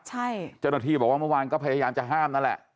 เจ้าหน้าที่บอกว่าเมื่อวานก็พยายามจะห้ามนั่นแหละ